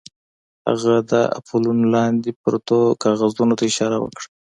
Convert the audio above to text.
هغه د اپولو لاندې پرتو کاغذونو ته اشاره وکړه